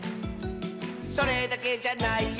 「それだけじゃないよ」